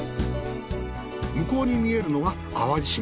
向こうに見えるのは淡路島。